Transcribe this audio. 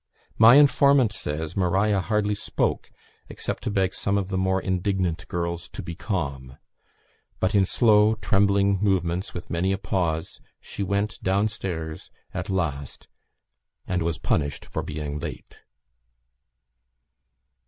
My informant says, Maria hardly spoke, except to beg some of the more indignant girls to be calm; but, in slow, trembling movements, with many a pause, she went down stairs at last, and was punished for being late.